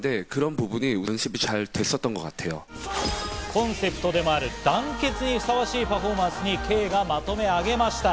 コンセプトでもある団結にふさわしいパフォーマンスにＫがまとめ上げました。